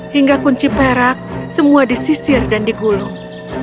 hingga kunci perak semua disisir dan digulung